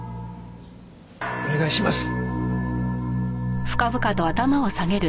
お願いします。